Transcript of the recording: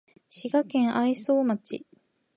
滋賀県愛荘町